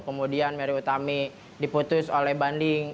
kemudian mary utami diputus oleh banding